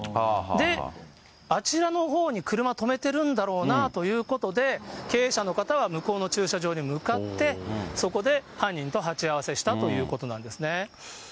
で、あちらのほうに車止めてるんだろうなということで、経営者の方は、向こうの駐車場に向かって、そこで犯人と鉢合わせしたということなんですね。